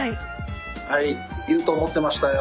☎はい言うと思ってましたよ。